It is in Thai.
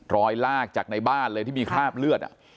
ลากจากในบ้านเลยที่มีคราบเลือด